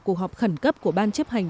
cuộc họp khẩn cấp của ban chấp hành